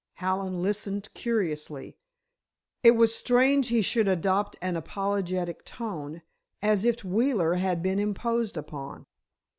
Hallen listened curiously. It was strange he should adopt an apologetic tone, as if Wheeler had been imposed upon.